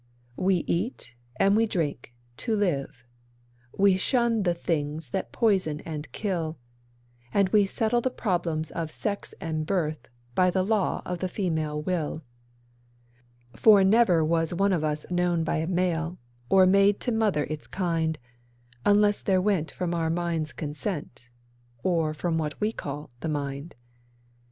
'We eat and we drink to live; we shun the things that poison and kill, And we settle the problems of sex and birth by the law of the female will, For never was one of us known by a male, or made to mother its kind, Unless there went from our minds consent (or from what we call the mind).